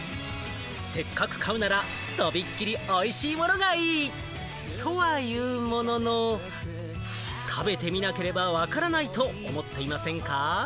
せっかく買うなら、とびきりおいしいものがいい！とはいうものの、食べてみなければわからないと思っていませんか？